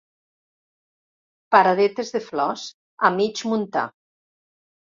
Paradetes de flors a mig muntar.